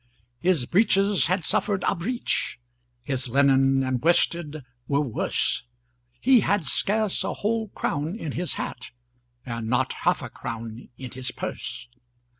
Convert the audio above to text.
His breeches had suffered a breach, His linen and worsted were worse; He had scarce a whole crown in his hat, And not half a crown in his purse.